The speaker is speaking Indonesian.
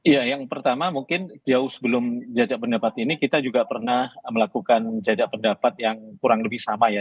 ya yang pertama mungkin jauh sebelum jajak pendapat ini kita juga pernah melakukan jajak pendapat yang kurang lebih sama ya